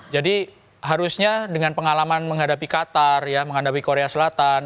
jadi harusnya dengan pengalaman menghadapi qatar ya menghadapi korea selatan